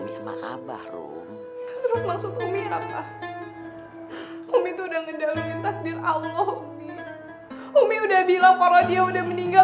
umi udah bilang pak rodia udah meninggal